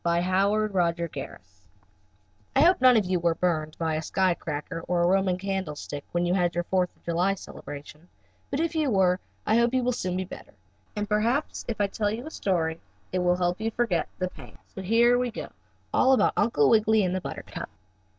STORY VI UNCLE WIGGILY AND BUTTERCUP I hope none of you were burned by a sky cracker or a Roman candle stick when you had your Fourth of July celebration, but if you were I hope you will soon be better, and perhaps if I tell you a story it will make you forget the pain. So here we go, all about Uncle Wiggily and the buttercup.